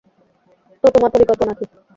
তো, তোমার পরিকল্পনা কী?